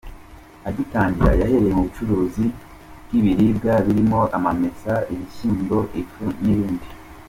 Agitangira yahereye mu bucuruzi bw’ibiribwa birimo amamesa, ibishyimbo, ifu n’ibindi.